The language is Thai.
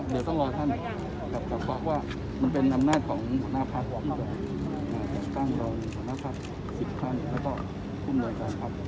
เดี๋ยวต้องรอท่านครับครับฝากว่ามันเป็นน้ำหน้าของหัวหน้าพัด